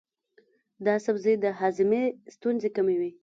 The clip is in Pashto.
دا سبزی د هاضمې ستونزې کموي.